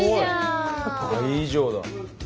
倍以上だ。